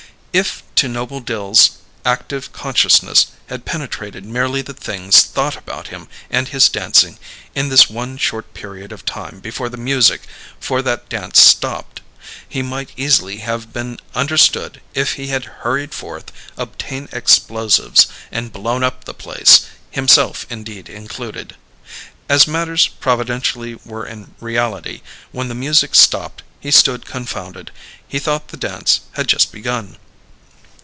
If to Noble Dill's active consciousness had penetrated merely the things thought about him and his dancing, in this one short period of time before the music for that dance stopped, he might easily have been understood if he had hurried forth, obtained explosives, and blown up the place, himself indeed included. As matters providentially were in reality, when the music stopped he stood confounded: he thought the dance had just begun.